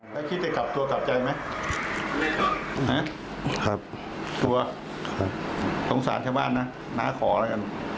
ไม่คิดแต่กลับตัวกลับใจไหมครับตัวโทษสานชาวบ้านนะน้าขอแล้วกัน